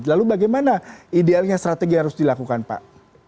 lalu bagaimana idealnya strategi yang harus dilakukan pak